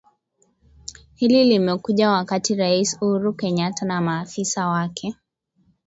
Hili limekuja wakati Rais Uhuru Kenyatta na maafisa wake